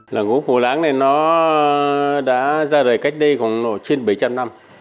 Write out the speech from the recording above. làng gốm phủ lãng này nó đã ra đời cách đây khoảng trên bảy trăm linh năm